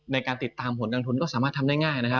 ในการติดตามหวนกางทุนก็สามารถทำได้ง่าย